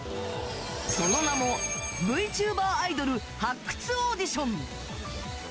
その名もＶＴｕｂｅｒアイドル発掘オーディション。